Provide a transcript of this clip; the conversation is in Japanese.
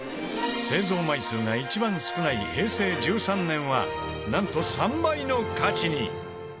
製造枚数が一番少ない平成１３年はなんと３倍の価値に！